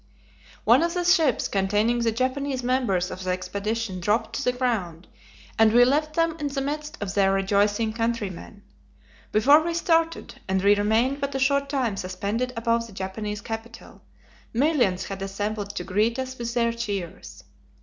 One of the ships containing the Japanese members of the expedition dropped to the ground, and we left them in the midst of their rejoicing countrymen. Before we started and we remained but a short time suspended above the Japanese capital millions had assembled to greet us with their cheers.